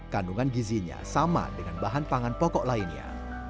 kandungan gizinya sama dengan bahan pangan pokok lainnya